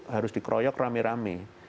harus dikroyok rame rame